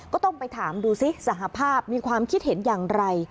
ก็ต้องไปถามดูสิสหภาพมีความคิดเห็นอย่างไร